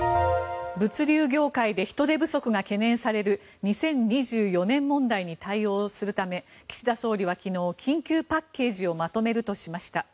物流業界で人手不足が懸念される２０２４年問題に対応するため岸田総理は昨日緊急パッケージをまとめるとしました。